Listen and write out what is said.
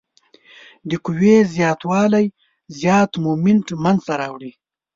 د قوې زیات والی زیات مومنټ منځته راوړي.